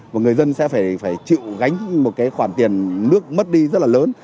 và người dân sẽ phải chịu gánh một cái khoản tiền nước mất đi rất là lớn